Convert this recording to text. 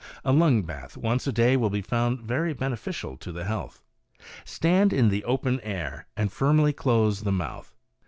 A lung bath once a day will be found very beneficial to the health. Stand in the open air and firmly close the mouth.